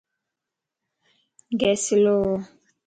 گيس سلووَ